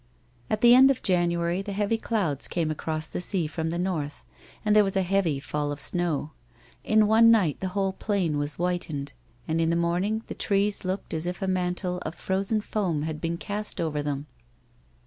At the end of January, the heavy cloiids came across the sea from the north, and there was a heavy fall of snow. In one night the whole plain was whitened, and, in the morn ing, the trees looked as if a mantle of frozen foam had been cast over them.